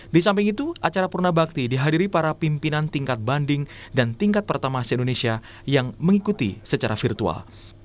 di samping itu acara purna bakti dihadiri para pimpinan tingkat banding dan tingkat pertama se indonesia yang mengikuti secara virtual